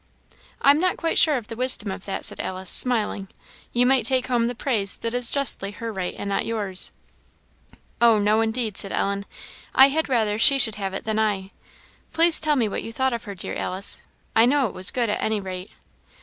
"I am not quite sure of the wisdom of that," said Alice, smiling: "you might take home the praise that is justly her right and not yours." "Oh no, indeed," said Ellen; "I had rather she should have it than I. Please tell me what you thought of her, dear Alice I know it was good, at any rate."